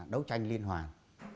đấu tranh liên hoàn